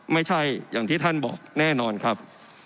ไม่ใช่อย่างที่ท่านบอกแน่นอนครับ